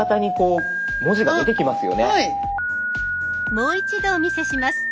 もう一度お見せします。